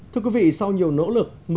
thưa quý vị sau nhiều nỗ lực